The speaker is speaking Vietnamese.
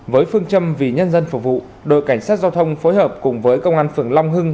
với phương châm vì nhân dân phục vụ đội cảnh sát giao thông phối hợp cùng với công an phường long hưng